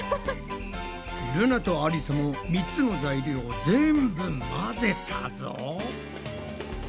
ルナとありさも３つの材料を全部混ぜたぞ。